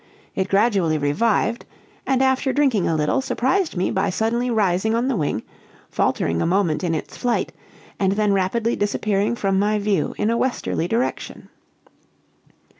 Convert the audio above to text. It gradually revived; and after drinking a little, surprised me by suddenly rising on the wing, faltering a moment in its flight, and then rapidly disappearing from my view in a westerly direction.